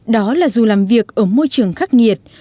đó là dù làm việc ở môi trường khắc nghiệt